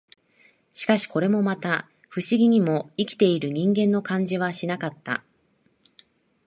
しかし、これもまた、不思議にも、生きている人間の感じはしなかった